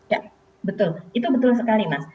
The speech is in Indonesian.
ya betul itu betul sekali mas